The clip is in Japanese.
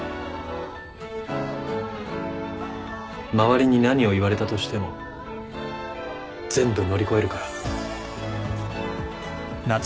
周りに何を言われたとしても全部乗り越えるから。